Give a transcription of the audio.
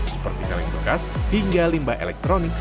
seperti kaleng bekas hingga limbah elektronik